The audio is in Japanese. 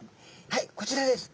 はいこちらです。